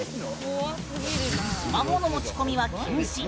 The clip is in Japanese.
スマホの持ち込みは禁止。